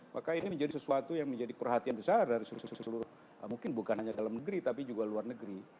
maka ini menjadi sesuatu yang menjadi perhatian besar dari seluruh mungkin bukan hanya dalam negeri tapi juga luar negeri